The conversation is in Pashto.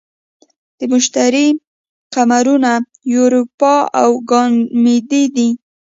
د مشتری قمرونه یوروپا او ګانیمید دي.